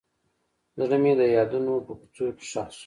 زړه مې د یادونو په کوڅو کې ښخ شو.